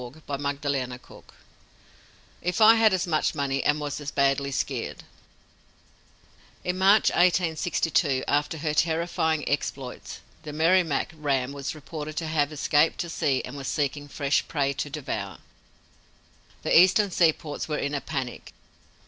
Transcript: _""IF I HAD AS MUCH MONEY AND WAS AS BADLY SKEERED " In March, 1862, after her terrifying exploits, the Merrimac ram was reported to have escaped to sea and was seeking fresh prey to devour. The Eastern seaports were in a panic.